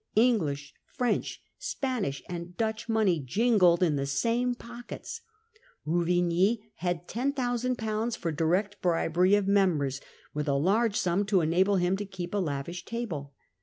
English, French, Spanish, and Dutch Parliament. mon ey jingled in the same pockets. Ruvigny had 10,000/. for direct bribery of members, with a large sum to enable him to keep a lavish table.